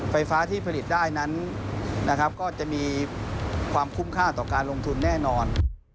ไฟฟ้าที่ผลิตได้นั้นนะครับก็จะมีความคุ้มค่าต่อการลงทุนแน่นอน